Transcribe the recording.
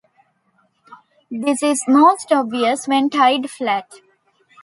This is most obvious when tied flat.